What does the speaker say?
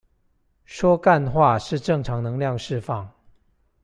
說幹話是正常能量釋放